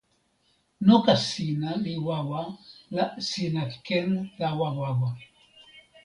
noka sina li wawa, la sina ken tawa wawa.